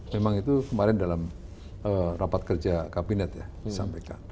memang itu kemarin dalam rapat kerja kabinet ya disampaikan